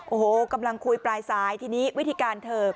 โอ้โหกำลังคุยปลายสายทีนี้วิธีการเธอ